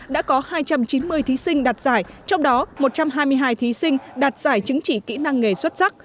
đã có hai trăm chín mươi thí sinh đạt giải trong đó một trăm hai mươi hai thí sinh đạt giải chứng chỉ kỹ năng nghề xuất sắc